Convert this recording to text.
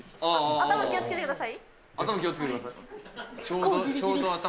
頭気をつけてください。